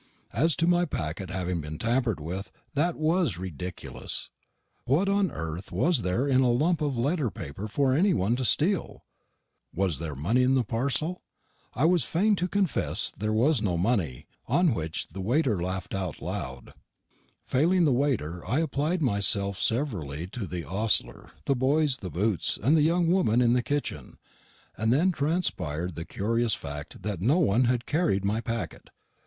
As to my packet having been tampered with, that was ridiculous. What on earth was there in a lump of letter paper for any one to steal? Was there money in the parcel? I was fain to confess there was no money; on which the waiter laughed aloud. Failing the waiter, I applied myself severally to the ostler, the boys, the Boots, and the young woman in the kitchen; and then transpired the curious fact that no one had carried my packet.